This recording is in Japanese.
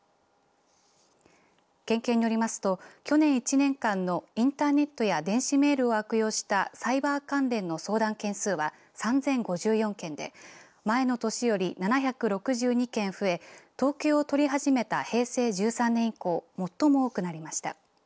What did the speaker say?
県警によりますと去年１年間のインターネットや電子メールを悪用したサイバー関連の相談件数は３０５４件で前の年より７６２件増え統計を取り始めた平成１３年以降最も多くなりました。